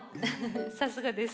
さすがです。